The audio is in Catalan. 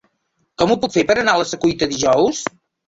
Com ho puc fer per anar a la Secuita dijous?